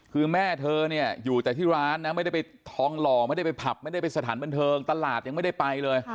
คือแม่เธอเนี่ยอยู่แต่ที่ร้านนะไม่ได้ไปทองหล่อไม่ได้ไปผับไม่ได้ไปสถานบันเทิงตลาดยังไม่ได้ไปเลย